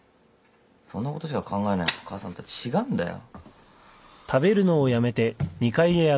そんなことしか考えない母さんとは違うんだよ。